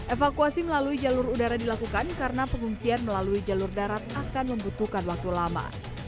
evakuasi melalui jalur udara dilakukan karena pengungsian melalui jalur darat akan membutuhkan waktu lama